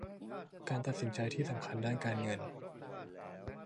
การตัดสินใจที่สำคัญด้านการเงิน